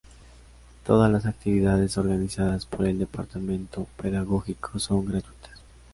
Todas las actividades organizadas por el Departamento pedagógico son gratuitas.